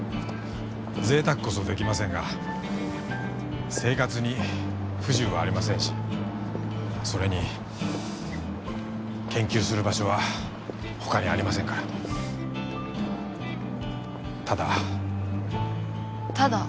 贅沢こそできませんが生活に不自由はありませんしそれに研究する場所は他にありませんからただただ？